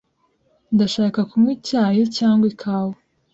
Ndashaka kunywa icyayi cyangwa ikawa.